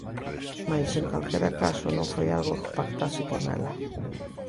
Mais, en calquera caso, non foi algo que pactase con ela.